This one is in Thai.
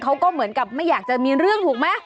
เขาก็เหมือนกับไม่อยากจะมีเรื่องถูกไหม